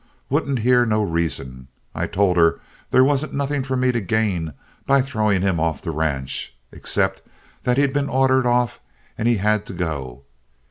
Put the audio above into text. Wouldn't hear no reason. I told her there wasn't nothing for me to gain by throwing him off the ranch. Except that he'd been ordered off and he had to go.